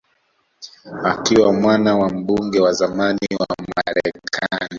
Akiwa mwana wa mbunge wa zamani wa Marekani